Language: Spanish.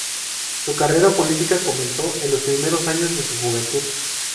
Su carrera política comenzó en los primeros años de su juventud.